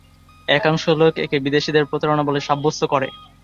একাংশ লোক একে বিদেশীদের প্রতারণা বলে সাব্যস্ত করে।